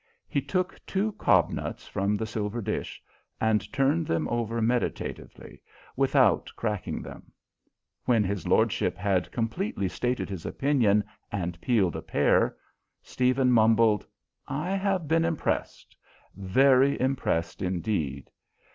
He took two cob nuts from the silver dish, and turned them over meditatively, without cracking them. When his lordship had completely stated his opinion and peeled a pear, Stephen mumbled: "I have been impressed, very impressed indeed.